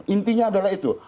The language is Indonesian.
intinya adalah itu